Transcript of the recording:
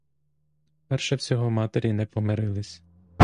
Перше всього матері не помирилися.